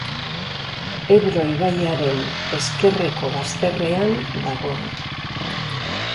Ebro ibaiaren ezkerreko bazterrean dago.